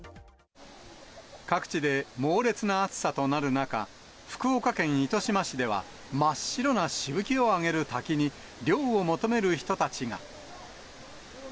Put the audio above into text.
各地で猛烈な暑さとなる中、福岡県糸島市では、真っ白なしぶきを上げる滝に、涼を求める人たちが。